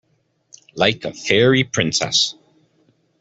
Like a fairy princess.